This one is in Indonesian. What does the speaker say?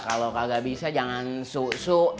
kalau kagak bisa jangan su